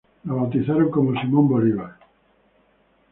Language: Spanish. La bautizaron como Simón Bolívar.